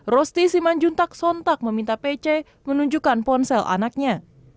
rosti simanjuntak sontak meminta pc menunjukkan ponsel anaknya